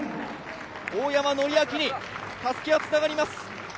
大山憲明にたすきがつながります。